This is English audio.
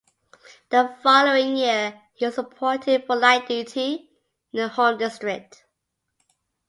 The following year he was appointed for light duty in the Home District.